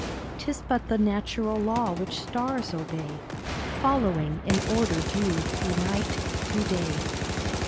'T is but the natural law which stars obey, Following in order due through night, through day.